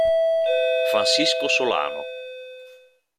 Francisco Solano